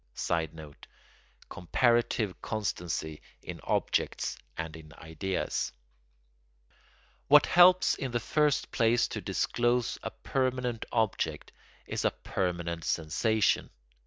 [Sidenote: Comparative constancy in objects and in ideas] What helps in the first place to disclose a permanent object is a permanent sensation.